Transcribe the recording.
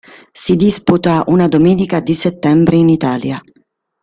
Si disputa una domenica di settembre in Italia.